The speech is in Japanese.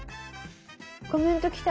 コメント来た。